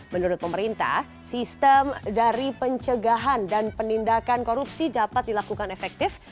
menurut pemerintah sistem dari pencegahan dan penindakan korupsi dapat dilakukan efektif